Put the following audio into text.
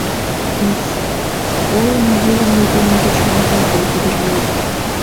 Но-с... олым йӱлымӧ дене кечывал гай волгыдо лие.